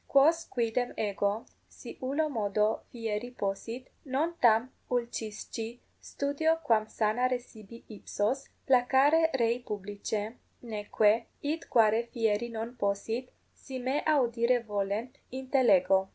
Quos quidem ego, si ullo modo fieri possit, non tam ulcisci studeo quam sanare sibi ipsos, placare rei publicae, neque, id quare fieri non possit, si me audire volent, intellego.